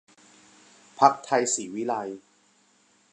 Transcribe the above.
พรรคไทยศรีวิไลย์